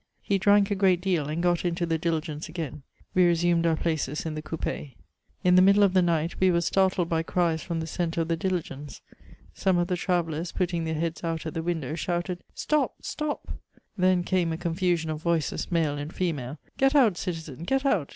He drank a great deal and got into the diligence again; we resumed our places in the coupS. In the middle of the night, we were startled by cries finom the centre of the diligence ; some of the travellers, {>utting their heads out at the window, shouted '* Stop, stop I" then came a confusion of voices, male and female :^' Get out, citizen, get out